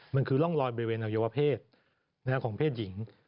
มันคือร่องรอยบริเวณอวัยวเพศของเพศหญิง